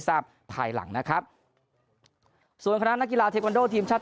ภายหลังนะครับส่วนคณะนักกีฬาเทควันโดทีมชาติ